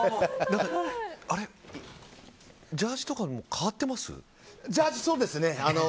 何か、ジャージーとか変わってます？